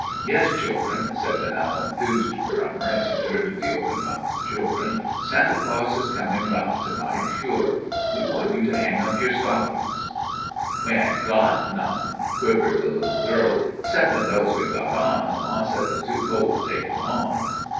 "Yes, children," said the now enthused drummer, as he turned to the open mouthed children, "Santa Claus is coming round to night, sure. We want you to hang up your stockings." 176 l(}/lissionarY in i^ Great West ^*We ain't got noiie/' quivered tlie little girl J '*'ceptiii' those we Ve got on, and ma says it 's too cold to take 'em off."